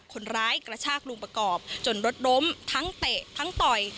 กระชากลุงประกอบจนรถล้มทั้งเตะทั้งต่อย